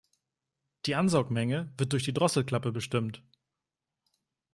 Die Ansaugmenge wird durch die Drosselklappe bestimmt.